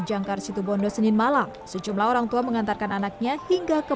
jangkar situbondo senin malam sejumlah orang tua mengantarkan anaknya hingga ke